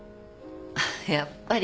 やっぱり。